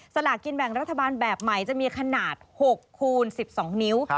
สลากินแบ่งรัฐบาลแบบใหม่จะมีขนาด๖คูณ๑๒นิ้ว